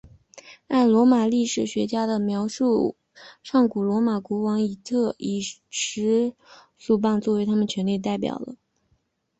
按罗马历史学家的描述上古罗马国王就已经持束棒作为他们权力的代表了。